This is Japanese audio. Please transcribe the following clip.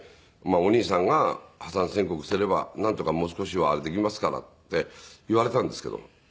「お兄さんが破産宣告すればなんとかもう少しはあれできますから」って言われたんですけど。